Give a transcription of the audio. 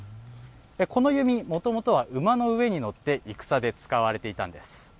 この弓、もともとは馬の上に乗って戦で使われていたんです。